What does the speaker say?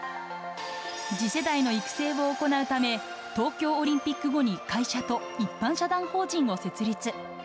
次世代の育成を行うため、東京オリンピック後に会社と一般社団法人を設立。